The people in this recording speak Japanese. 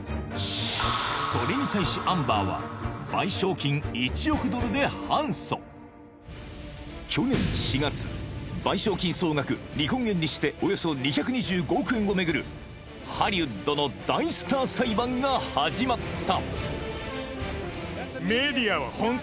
それに対しアンバーは賠償金１億ドルで反訴去年４月賠償金総額日本円にしておよそ２２５億円をめぐるハリウッドの大スター裁判が始まった＃